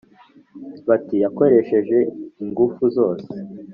Bati “Yakoresheje ingufu zose